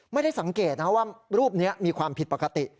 ไม่ได้สังเกตนะว่ารูปนี้มีความผิดปกติ